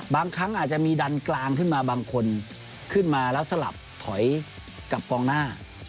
บางครั้งอาจจะมีดันกลางขึ้นมาบางคนขึ้นมาแล้วสลับถอยกับกองหน้า